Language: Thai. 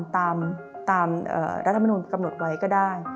ตามรัฐมนุนกำหนดไว้ก็ได้